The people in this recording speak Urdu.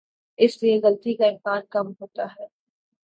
اس لیے غلطی کا امکان کم ہوتا ہے۔